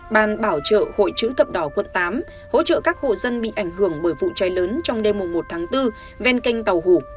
ban bảo trợ hội chữ thập đỏ quận tám hỗ trợ các hộ dân bị ảnh hưởng bởi vụ cháy lớn trong đêm một tháng bốn ven kênh tàu hủ